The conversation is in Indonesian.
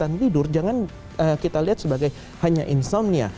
jangan tidur jangan kita lihat sebagai hanya insomnya